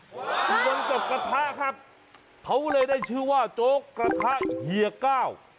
ส่วนกับกระทะครับเขาเลยได้ชื่อว่าโจ๊กกระทะเฮียเก้า